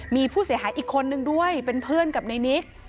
มีผู้เสียหายอีกคนนึงด้วยเป็นเพื่อนกับในนิก